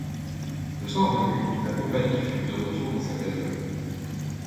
Le soir venu, la compagnie fut de retour dans sa caserne.